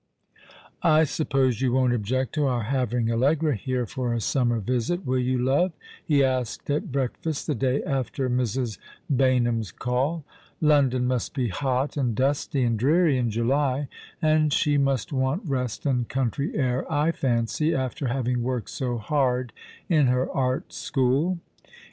"I suppose you won't object to our having Allegra here for a summer visit, will you, love ?" he asked at breakfast the day after Mrs. Baynham's call. "London must be hot, and dusty, and dreary in July, and she must want rest and country air, I fancy, after having worked so hard in her art school."